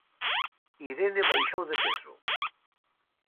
Irene baixou de peso.